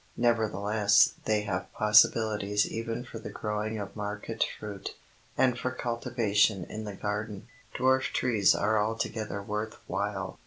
Nevertheless they have possibilities even for the growing of market fruit, and for cultivation in the garden, dwarf trees are altogether worth while.